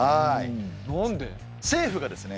政府がですね